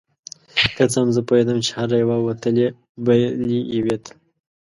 که څه هم زه پوهیدم چې هره یوه وتلې بلې یوې ته